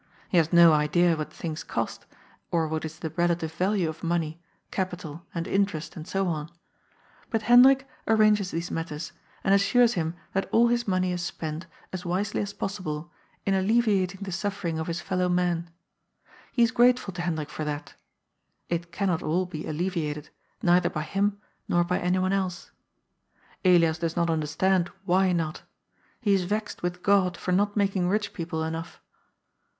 He has no idea what things cost, or what is the relative value of money, capital and in* terest and so on. But Hendrik arranges these matters, and assures him that all his money is spent, as wisely as possible, in alleviating the suffering of his fellow men. He is grate ful to Hendrik for that It cannot all be alleviated, neither by him, nor by anyone else. Elias does not understand why not He is vexed with God for not making rich people enough.